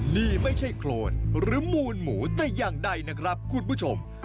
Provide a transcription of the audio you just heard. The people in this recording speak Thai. นี่ไม่ใช่โครนหรือมูลหมูแต่อย่างใดนะครับคุณผู้ชม